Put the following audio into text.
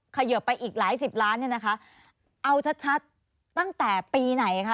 เขยิบไปอีกหลายสิบล้านเนี่ยนะคะเอาชัดชัดตั้งแต่ปีไหนคะ